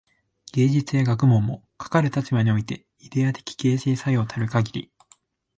芸術や学問も、かかる立場においてイデヤ的形成作用たるかぎり、